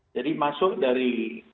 jadi masuk dari